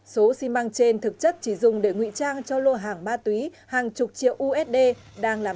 số xi măng trên thực chất chỉ dùng để ngụy trang cho lô hàng ma túy hàng chục triệu usd đang làm